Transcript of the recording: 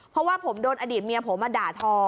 เพราะว่าผมโดนอดีตเมียผมมาด่าทอ